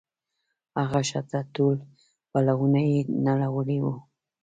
هغه شاته ټول پلونه يې نړولي وو.